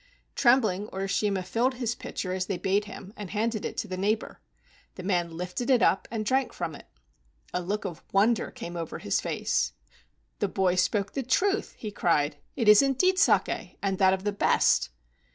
Trembling, Urishima filled his pitcher as they bade him and handed it to the neighbor. The man lifted it up and drank from it. A look of wonder came over his face. "The boy spoke the truth," he cried. "It is indeed saki, and that of the best."